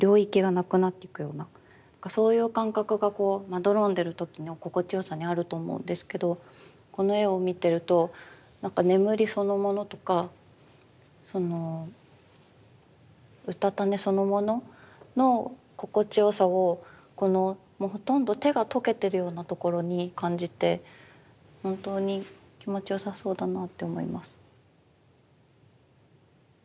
そういう感覚がこうまどろんでる時の心地よさにあると思うんですけどこの絵を見てるとなんか眠りそのものとかそのうたた寝そのものの心地よさをこのもうほとんど手が溶けてるようなところに感じて本当に気持ちよさそうだなって思います。